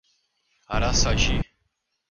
Araçagi